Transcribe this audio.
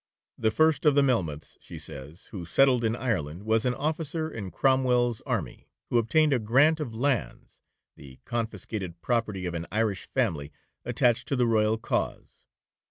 'The first of the Melmoths, she says, who settled in Ireland, was an officer in Cromwell's army, who obtained a grant of lands, the confiscated property of an Irish family attached to the royal cause.